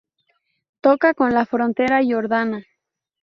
Toca con la frontera jordana.